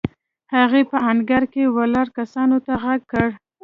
هغې په انګړ کې ولاړو کسانو ته غږ کړ.